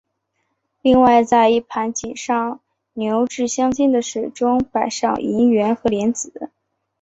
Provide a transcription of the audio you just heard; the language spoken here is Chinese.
另外在一盘添上牛至香精的水中摆上银元和莲子。